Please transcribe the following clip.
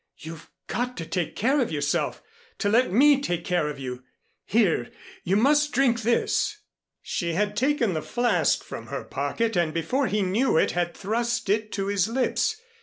"You've got to take care of yourself to let me take care of you. Here! You must drink this." She had taken the flask from her pocket and before he knew it had thrust it to his lips.